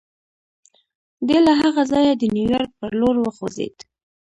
دی له هغه ځايه د نيويارک پر لور وخوځېد.